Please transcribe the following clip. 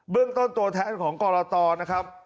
เรื่องต้นตัวแทนของกรตนะครับ